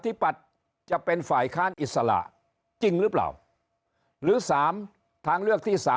ปฏิจะเป็นฝ่ายค้านอิสระจริงหรือเปล่าหรือ๓ทางเลือกที่๓